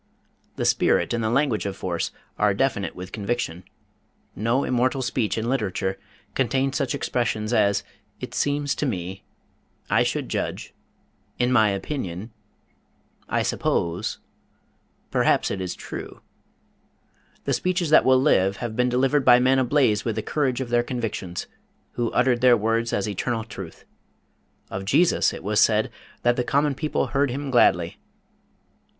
The spirit and the language of force are definite with conviction. No immortal speech in literature contains such expressions as "it seems to me," "I should judge," "in my opinion," "I suppose," "perhaps it is true." The speeches that will live have been delivered by men ablaze with the courage of their convictions, who uttered their words as eternal truth. Of Jesus it was said that "the common people heard Him gladly."